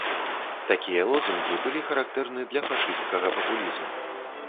Такія лозунгі былі характэрны для фашысцкага папулізму.